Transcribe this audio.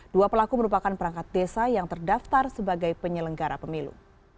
dua pelaku merupakan perangkat desa yang terdaftar sebagai penyelenggara pemilu